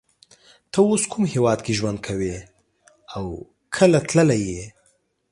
ته اوس کوم هیواد کی ژوند کوی او کله تللی یی